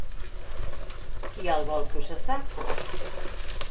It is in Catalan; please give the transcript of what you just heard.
Qui el vol processar?